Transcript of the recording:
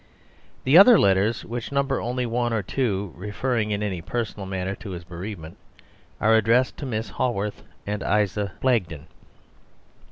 The other letters, which number only one or two, referring in any personal manner to his bereavement are addressed to Miss Haworth and Isa Blagden.